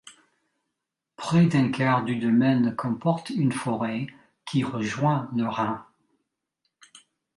Près d'un quart du domaine comporte une forêt qui rejoint le Rhin.